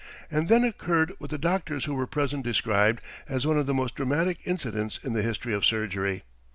And then occurred what the doctors who were present described as one of the most dramatic incidents in the history of surgery.